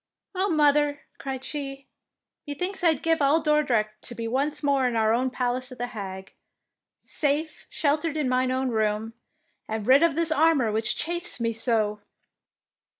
" Oh, mother,'' cried she, ''methinks I 'd give all Dordrecht to be once more in our own palace in The Hague, safe sheltered in mine own room, and rid of this armour which chafes me so